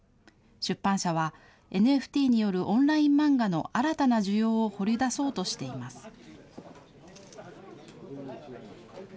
出版社は、ＮＦＴによるオンライン漫画の新たな需要を掘り出そうとしています。